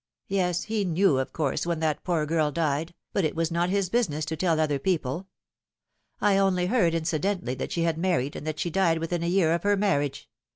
Yes, he knew, of course, when that poor girl died, but it was not his business to tell other people. I only heard incidentally that she had mar ried, and that she died within a year of her marriage.